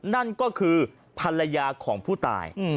นั่นก็คือภรรยาของผู้ตาย